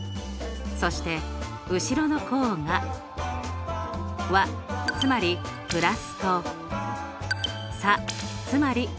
そして後ろの項が和つまり＋と差つまり−。